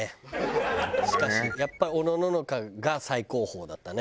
しかしやっぱおのののかが最高峰だったね。